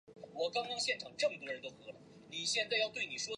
位于东京都北区南部。